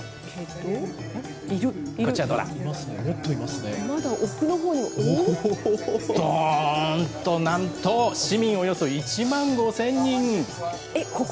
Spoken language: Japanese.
どーんと、なんと市民およそ１万５０００人。